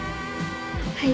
はい。